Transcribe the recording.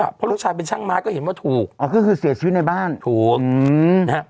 เพราะลูกชายเป็นช่างไม้ก็เห็นว่าถูกอ๋อก็คือเสียชีวิตในบ้านถูกอืมนะฮะ